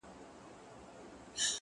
سیاه پوسي ده د مړو ورا ده ـ